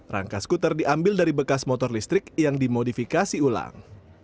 rangka skuter diambil dari bekas motor listrik yang dimodifikasi ulang